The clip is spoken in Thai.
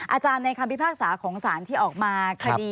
อาจารย์ในคำพิพากษาของสารที่ออกมาคดี